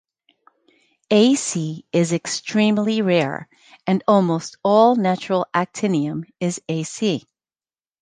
Ac is extremely rare, and almost all natural actinium is Ac.